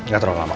gak terlalu lama